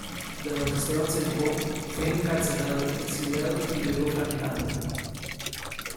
Dado que Esteban se negó, fue encarcelado, exiliado y luego flagelado.